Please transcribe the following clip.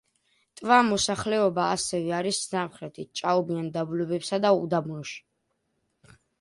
ტვა მოსახლეობა ასევე არის სამხრეთით ჭაობიან დაბლობებსა და უდაბნოში.